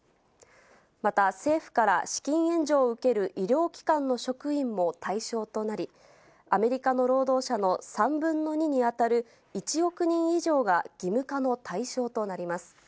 また政府から資金援助を受ける医療機関の職員も対象となり、アメリカの労働者の３分の２に当たる１億人以上が義務化の対象となります。